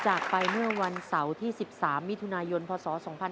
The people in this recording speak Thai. จากไปเมื่อวันเสาร์ที่๑๓มิถุนายนพศ๒๕๕๙